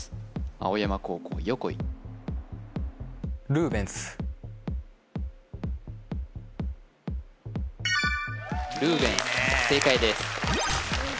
青山高校横井るーべんす正解です「す」